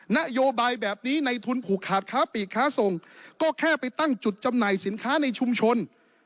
นโยบายแบบนี้ในทุนผูกขาดค้าปีกค้าส่งก็แค่ไปตั้งจุดจำหน่ายสินค้าในชุมชน